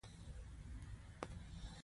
ایا زه باید زوړ شم؟